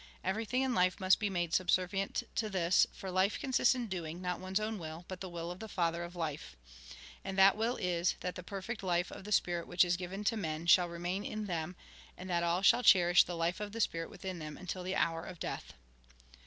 Everything in life must be made subservient to this ; for life consists in doing, not one's own will, but the will of the Father of life. And that will is, that the per fect life of the Spirit which is given to men, shall remain in them, and that all shall cherish the life of the Spirit within them until the hour of death.